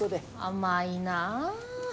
甘いなあ。